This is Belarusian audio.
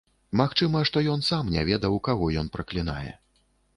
Магчыма, што ён сам не ведаў, каго ён праклінае.